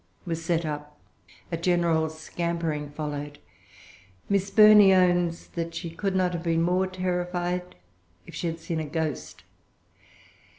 was set up. A general scampering followed. Miss Burney owns that she could not have been more terrified if she had seen a ghost.